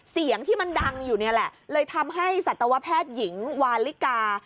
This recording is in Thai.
เสียงที่มันดังอยู่นี่แหละเลยทำให้สัตวแพทย์หญิงวาลิกา